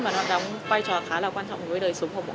và nó đóng vai trò khá là quan trọng với đời chúng ta